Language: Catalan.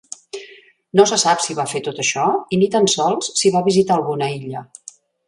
No se sap si va fer tot això i ni tan sols si va visitar alguna illa.